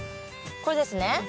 これですね。